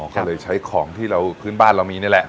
ก็เลยใช้ของที่เราพื้นบ้านเรามีนี่แหละ